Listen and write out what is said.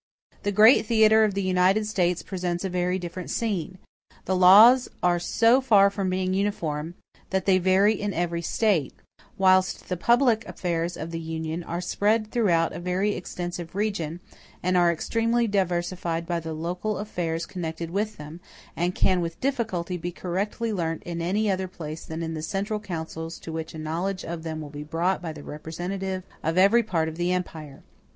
The great theatre of the United States presents a very different scene. The laws are so far from being uniform, that they vary in every State; whilst the public affairs of the Union are spread throughout a very extensive region, and are extremely diversified by the local affairs connected with them, and can with difficulty be correctly learnt in any other place than in the central councils to which a knowledge of them will be brought by the representatives of every part of the empire.